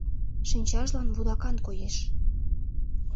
Шинчажлан вудакан коеш.